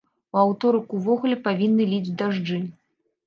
У аўторак увогуле павінны ліць дажджы!